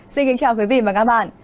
xin kính chào quý vị và các bạn